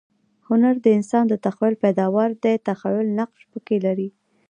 هنر د انسان د تخییل پیداوار دئ. تخییل نقش پکښي لري.